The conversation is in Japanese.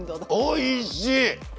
おいしい！